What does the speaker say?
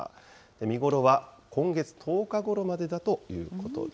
見頃は今月１０日ごろまでだということです。